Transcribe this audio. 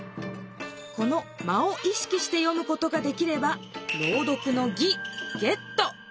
この「間」をいしきして読むことができれば朗読の「技」ゲット！